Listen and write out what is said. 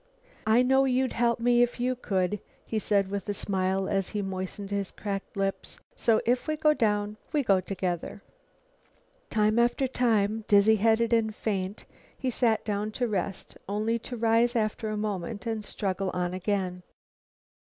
"I know you'd help me if you could," he said with a smile as he moistened his cracked lips, "so if we go down, we go together." Time after time, dizzy headed and faint, he sat down to rest, only to rise after a moment and struggle on again.